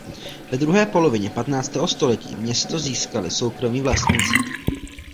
Ve druhé polovině patnáctého století město získali soukromí vlastníci.